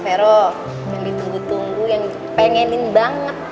tuh pak vero yang ditunggu tunggu yang dipengenin banget